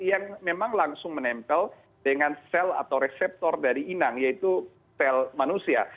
yang memang langsung menempel dengan sel atau reseptor dari inang yaitu sel manusia